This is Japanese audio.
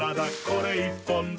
これ１本で」